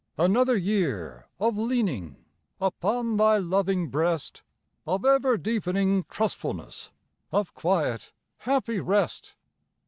Another year of leaning Upon Thy loving breast, Of ever deepening trustfulness, Of quiet, happy rest.